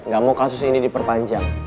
gak mau kasus ini diperpanjang